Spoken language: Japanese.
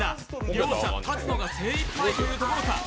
両者、立つのが精一杯というところか。